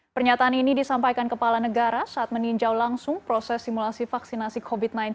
pernyataan ini disampaikan kepala negara saat meninjau langsung proses simulasi vaksinasi covid sembilan belas